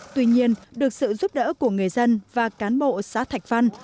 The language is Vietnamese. tuy nhiên được sự giúp đỡ của người dân và cán bộ xã thạch văn